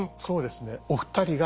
そうなんですね。